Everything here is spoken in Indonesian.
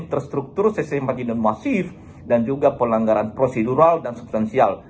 terstruktur sistem makin masif dan juga pelanggaran prosedural dan substansial